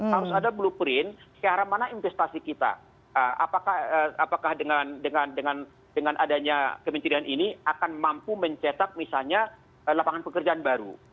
harus ada blueprint ke arah mana investasi kita apakah dengan adanya kementerian ini akan mampu mencetak misalnya lapangan pekerjaan baru